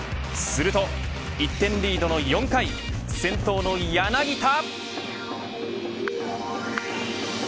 すると１点リードの４回先頭の柳田。